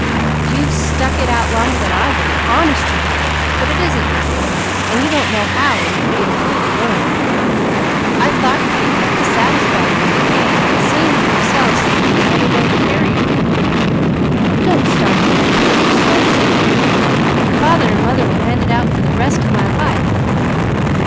You've stuck it out longer than I would, honest you have, but it isn't your game, and you don't know how, and you'd be a fool to learn. I thought you'd get enough to satisfy you when you came, but seeing for yourself seemed to be the only way to cure you." "Oh don't start the 'I told you so,'" said Junior. "Father and mother will hand it out for the rest of my life.